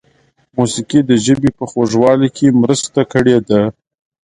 موسیقۍ د ژبې په خوږوالي کې مرسته کړې ده.